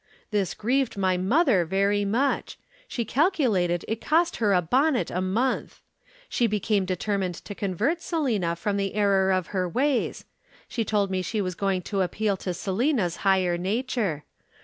This grieved my mother very much she calculated it cost her a bonnet a month. She became determined to convert Selina from the error of her ways. She told me she was going to appeal to Selina's higher nature.